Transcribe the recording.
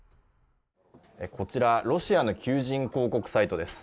こちら、ロシアの求人広告サイトです。